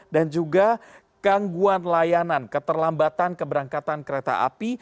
dan juga gangguan layanan keterlambatan keberangkatan kereta api